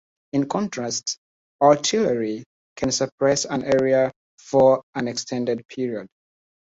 In contrast, artillery can suppress an area for an extended period.